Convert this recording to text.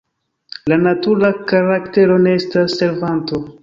La natura karaktero ne estas servanto.